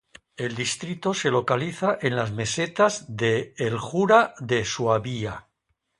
El distrito se localiza en las mesetas de el Jura de Suabia.